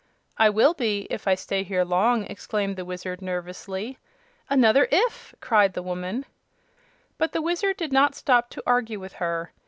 "I will be, if I stay here long," exclaimed the Wizard, nervously. "Another 'if'!" cried the woman. But the Wizard did not stop to argue with her.